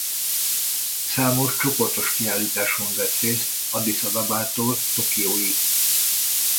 Számos csoportos kiállításon vett részt Addisz-Abebától Tokióig.